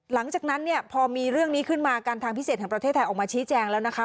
หลังจากนั้นเนี่ยพอมีเรื่องนี้ขึ้นมาการทางพิเศษแห่งประเทศไทยออกมาชี้แจงแล้วนะคะ